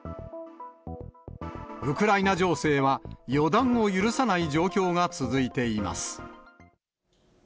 ウクライナ情勢は、予断を許さない状況が続いています。